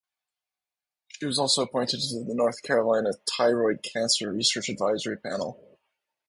She was also appointed to the North Carolina Thyroid Cancer Research Advisory Panel.